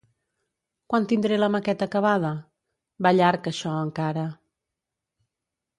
Quan tindré la maqueta acabada? Va llarg, això, encara.